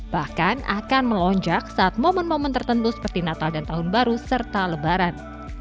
bahkan akan melonjak saat momen momen tertentu seperti natal dan tahun baru serta lebaran